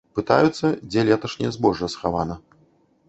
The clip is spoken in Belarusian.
Пытаюцца, дзе леташняе збожжа схавана.